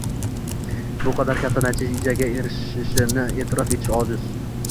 bu qadar katta natijaga erishishini e’tirof etish joiz.